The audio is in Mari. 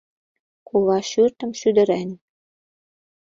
Кува шӱртым шӱдырен.